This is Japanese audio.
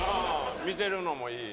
見てるのもいい。